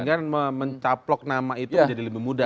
jangan mencaplok nama itu menjadi lebih mudah